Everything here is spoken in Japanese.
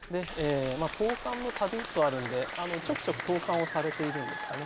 「投函のたび」とあるんでちょくちょく投函をされているんですかね。